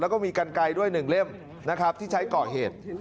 แล้วก็มีกันไกด้ด้วยหนึ่งเล่มนะครับที่ใช้เกาะเหตุ